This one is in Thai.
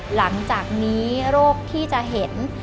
หลังจากนี้โรคที่จะเห็น